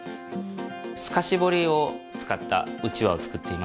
透かし彫りを使った団扇を作っています